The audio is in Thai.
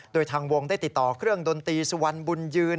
โดยทางวงได้ติดต่อเครื่องดนตรีสุวรรณบุญยืน